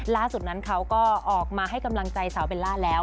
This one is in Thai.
ล่าสุดนั้นเขาก็ออกมาให้กำลังใจสาวเบลล่าแล้ว